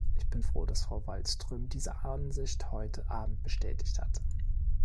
Ich bin froh, dass Frau Wallström diese Ansicht heute abend bestätigt hat.